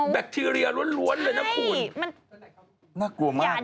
แบคทีเรียล้วนเลยนะคุณใช่มันอย่าดีกว่าค่ะน่ากลัวมาก